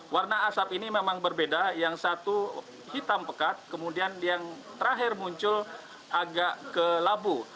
warna asap ini memang berbeda yang satu hitam pekat kemudian yang terakhir muncul agak ke labu